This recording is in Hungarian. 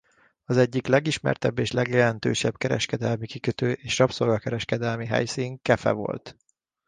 Az egyik legismertebb és legjelentősebb kereskedelmi kikötő és rabszolga-kereskedelmi helyszín Kefe volt.